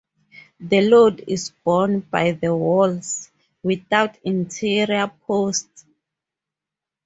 The load is borne by the walls, without interior posts.